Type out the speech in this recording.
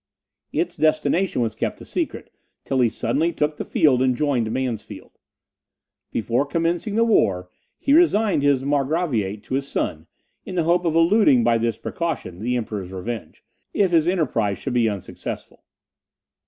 Its destination was kept a secret till he suddenly took the field and joined Mansfeld. Before commencing the war, he resigned his Margraviate to his son, in the hope of eluding, by this precaution, the Emperor's revenge, if his enterprize should be unsuccessful.